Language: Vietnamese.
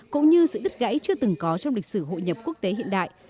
cũng như sự đứt gãy chưa từng có trong lịch sử hội nhập quốc tế hiện đại